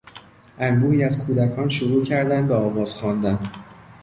انبوهی از کودکان شروع کردند به آواز خواندن.